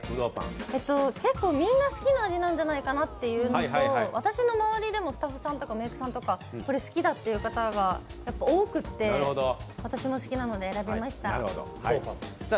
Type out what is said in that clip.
結構みんな好きな味なんじゃないかなというのと、私の周りでもスタッフさんとかメークさんとかこれ好きだって方が多くて私も好きなので選びました。